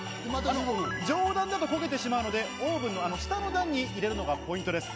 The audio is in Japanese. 上段だと焦げてしまうのでオーブンは下の段に入れるのがポイントです。